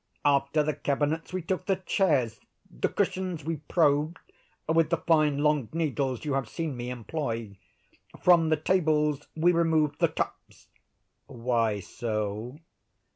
After the cabinets we took the chairs. The cushions we probed with the fine long needles you have seen me employ. From the tables we removed the tops." "Why so?"